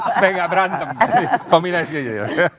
supaya gak berantem kombinasi aja ya